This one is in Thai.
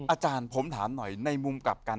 อาจารย์ผมถามหน่อยในมุมกลับกัน